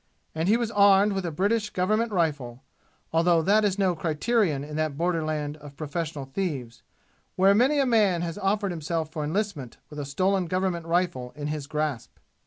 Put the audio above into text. And he was armed with a British government rifle, although that is no criterion in that borderland of professional thieves where many a man has offered himself for enlistment with a stolen government rifle in his grasp.